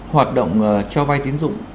hoạt động cho vai tiến dụng